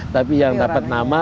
tapi yang dapat nama